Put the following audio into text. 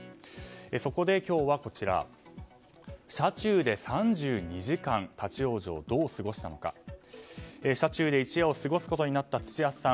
そこで今日は車中で３２時間立ち往生どう過ごしたのか車中で一夜を過ごすことになった土屋さん。